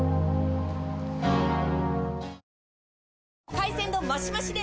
海鮮丼マシマシで！